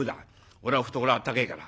俺は懐あったけえから。